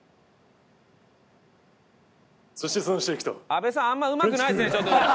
阿部さんあんまうまくないですねちょっと。